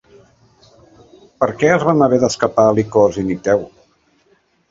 Per què van haver d'escapar Licos i Nicteu?